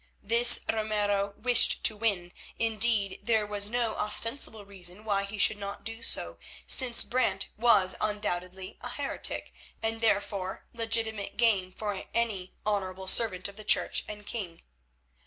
This Ramiro wished to win; indeed, there was no ostensible reason why he should not do so, since Brant was undoubtedly a heretic, and, therefore, legitimate game for any honourable servant of the Church and King.